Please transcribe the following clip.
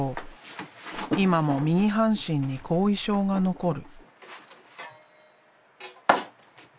今も右半身に後遺症が残る。